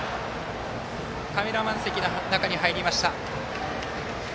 カメラマン席の中に入りました。